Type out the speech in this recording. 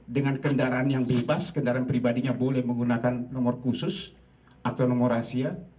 dengan kendaraan yang bebas kendaraan pribadinya boleh menggunakan nomor khusus atau nomor rahasia